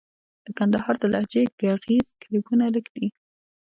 د کندهار د لهجې ږغيز کليپونه لږ دي.